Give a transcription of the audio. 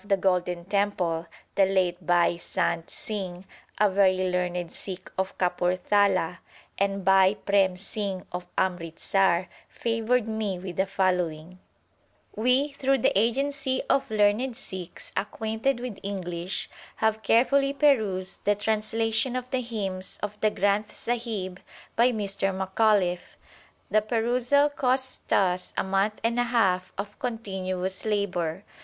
x THE SIKH RELIGION Golden Temple, the late Bhai Sant Singh, a very learned Sikh of Kapurthala, and Bhai Prem Singh of Amritsar favoured me with the following : We, through the agency of learned Sikhs acquainted with English, have carefully perused the translation of the hymns of the Granth Sahib by Mr. Macauliffe. The perusal cost us a month and a half of continuous labour.